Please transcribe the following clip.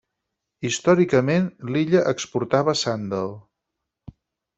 Històricament, l'illa exportava sàndal.